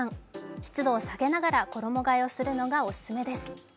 湿度を下げながら衣がえをするのがお勧めです。